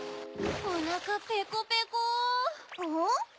・おなかペコペコ・ん？